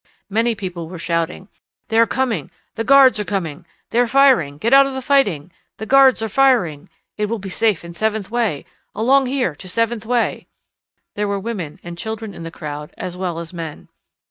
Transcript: Many people were shouting, "They are coming! The guards are coming. They are firing. Get out of the fighting. The guards are firing. It will be safe in Seventh Way. Along here to Seventh Way!" There were women and children in the crowd as well as men.